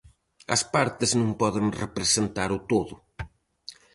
As partes non poden representar o todo.